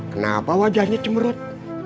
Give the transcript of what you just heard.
kenapa wajahnya cemerut